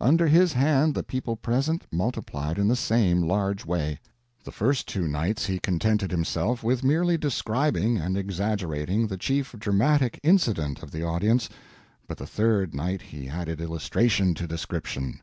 Under his hand the people present multiplied in the same large way. The first two nights he contented himself with merely describing and exaggerating the chief dramatic incident of the Audience, but the third night he added illustration to description.